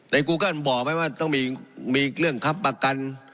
ในกูเกิ้ลบอกไหมว่าต้องมีมีเรื่องคับประกัน